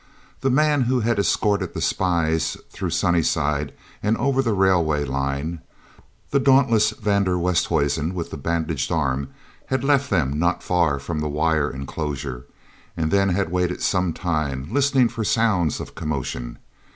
The man who had escorted the spies through Sunnyside and over the railway line, the dauntless van der Westhuizen with the bandaged arm, had left them not far from the wire enclosure, and had then waited some time, listening for sounds of commotion.